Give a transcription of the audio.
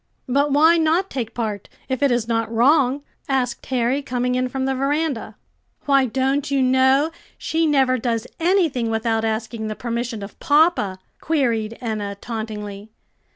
"But why not take part, if it is not wrong?" asked Harry, coming in from the veranda. "Why, don't you know she never does anything without asking the permission of papa?" queried Enna tauntingly.